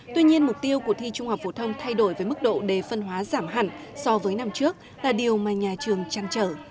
tuy nhiên mục tiêu của thi trung học phổ thông thay đổi với mức độ đề phân hóa giảm hẳn so với năm trước là điều mà nhà trường chăn trở